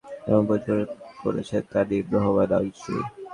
গল্প দুটি লিখেছেন তারিফ রহমান এবং পরিচালনা করেছেন তানিম রহমান অংশু।